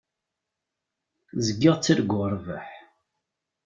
Zgiɣ ttarguɣ rrbeḥ.